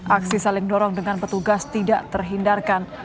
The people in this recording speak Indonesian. aksi saling dorong dengan petugas tidak terhindarkan